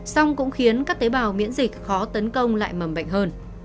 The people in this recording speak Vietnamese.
song cũng khiến các tế bào miễn dịch khó tấn công lại mầm bệnh hơn